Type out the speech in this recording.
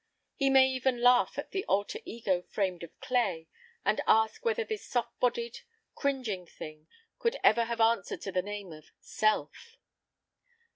He may even laugh at the alter ego framed of clay, and ask whether this soft bodied, cringing thing could ever have answered to the name of "self."